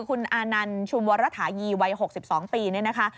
คุณอานันต์ชุมวรฐานีวัย๖๒ปีเนี่ยนะคะ